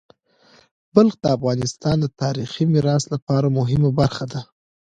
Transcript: بلخ د افغانستان د تاریخی میراث لپاره مهمه برخه ده.